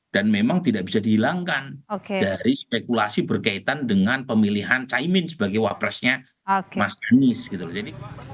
dan memang tidak bisa dihilangkan dari spekulasi berkaitan dengan pemilihan caimin sebagai wapresnya mas anies